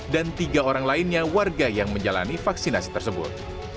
dan tiga orang lainnya warga yang menjalani vaksinasi tersebut